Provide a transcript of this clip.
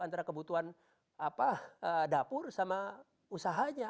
antara kebutuhan dapur sama usahanya